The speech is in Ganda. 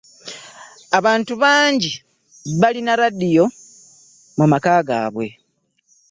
Abantu bangi balina laadiyo mu maka gaabwe.